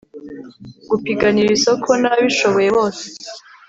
gupiganira isoko n'ababishoboye bose